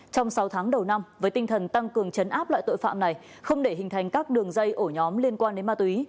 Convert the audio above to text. trong sáu tháng đầu năm với tinh thần tăng cường chấn áp loại tội phạm này không để hình thành các đường dây ổ nhóm liên quan đến ma túy